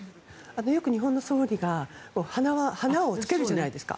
よく日本の総理が花をつけるじゃないですか。